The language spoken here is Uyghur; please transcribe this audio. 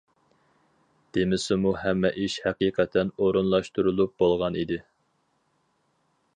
دېمىسىمۇ ھەممە ئىش ھەقىقەتەن ئورۇنلاشتۇرۇلۇپ بولغان ئىدى.